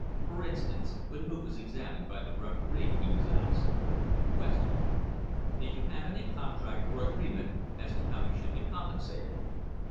For instance, when Moot was examined by the referee he was asked : Q. Did you have any contract or agreement as to how you should be compensated